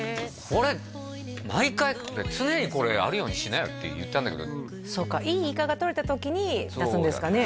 これ毎回「常にあるようにしなよ」って言ったんだけどそうかいいイカがとれた時に出すんですかね？